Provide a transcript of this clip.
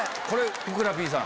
ふくらＰさん